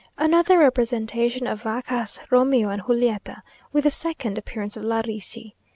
Another representation of Vaccaj's Romeo and Giulietta, with the second appearance of La Ricci.